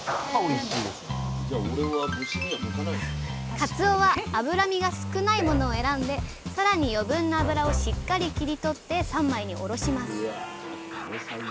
かつおは脂身が少ないものを選んでさらに余分な脂をしっかり切り取って三枚におろします。